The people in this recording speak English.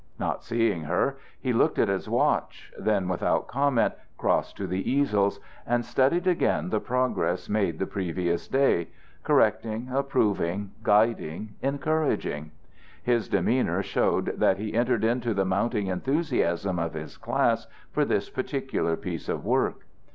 Not seeing her, he looked at his watch, then without comment crossed to the easels, and studied again the progress made the previous day, correcting, approving, guiding, encouraging. His demeanor showed that he entered into the mounting enthusiasm of his class for this particular piece of work.